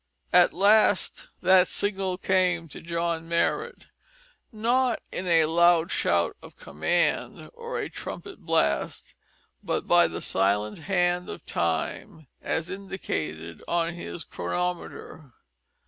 At last that signal came to John Marrot not in a loud shout of command or a trumpet blast, but by the silent hand of Time, as indicated on his chronometer.